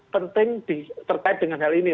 penting terkait dengan hal ini